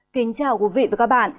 kính chào quý vị và các bạn